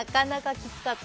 きつかった？